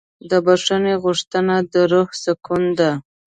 د بښنې غوښتنه د روح سکون ده.